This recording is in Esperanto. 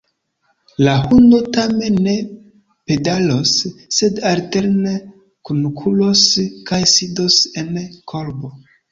La hundo tamen ne pedalos, sed alterne kunkuros kaj sidos en korbo.